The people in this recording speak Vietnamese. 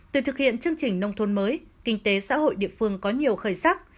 từ thực hiện chương trình nông thôn mới kinh tế xã hội địa phương có nhiều khởi sắc